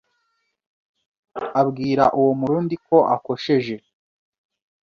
Abwira uwo murundi ko akosheje